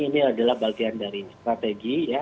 ini adalah bagian dari strategi ya